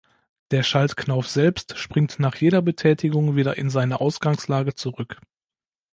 Der Schaltknauf selbst springt nach jeder Betätigung wieder in seine Ausgangslage zurück.